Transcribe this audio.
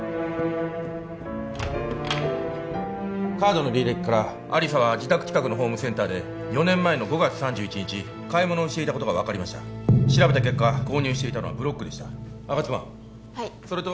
カードの履歴から亜理紗は自宅近くのホームセンターで４年前の５月３１日買い物をしていたことが分かりました調べた結果購入していたのはブロックでした吾妻それとその日の夜８時はい